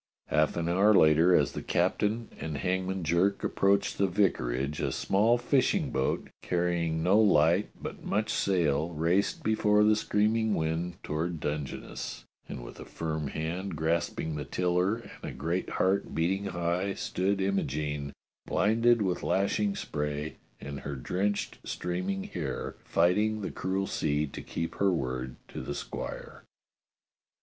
Half an hour later, as the captain and Hangman ;^rk approached the vicar age, a small fishing boat, carrying no light but much sail, raced before the screaming wind toward Dungeness, and with a firm hand grasping the tiller and a great heart beating high, stood Imogene, blinded with lash ing spray and her drenched streaming hair, fighting the cruel sea to keep her word to the squire.